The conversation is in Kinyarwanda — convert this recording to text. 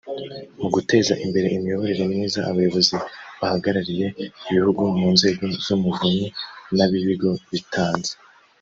mu guteza imbere imiyoborere myiza abayobozi bahagarariye ibihugu mu nzego z umuvunyi n ab ibigo bitanze